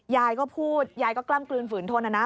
ยายก็พูดยายก็กล้ำกลืนฝืนทนนะนะ